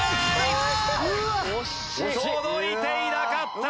届いていなかった！